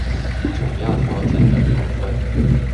主要調整的部分